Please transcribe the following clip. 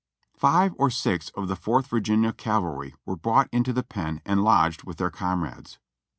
Five or six of the Fourth Virginia Cavalry were brought into the pen and lodged with their comrades.